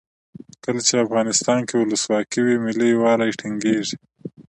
کله چې افغانستان کې ولسواکي وي ملي یووالی ټینګیږي.